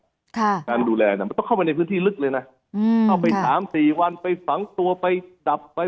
การดูแลน่ะมันต้องเข้าไปในพื้นที่ลึกเลยนะอืมเข้าไปสามสี่วันไปฝังตัวไปดับไป